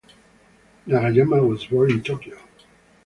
Nagayama was born in Tokyo.